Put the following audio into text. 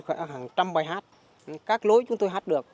hàng trăm bài hát các lối chúng tôi hát được